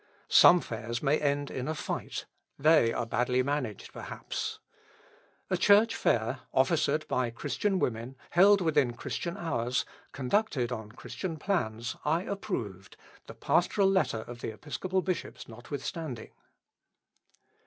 Some fairs may end in a fight; they are badly managed, perhaps. A Church fair, officered by Christian women, held within Christian hours, conducted on Christian plans, I approved, the pastoral letter of the Episcopal Bishops notwithstanding.